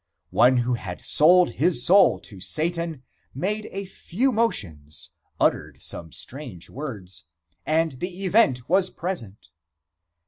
One who had sold his soul to Satan made a few motions, uttered some strange words, and the event was present.